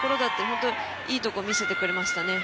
本当に、いいところを見せてくれましたね。